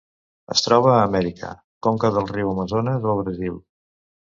Es troba a Amèrica: conca del riu Amazones al Brasil.